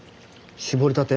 搾りたて？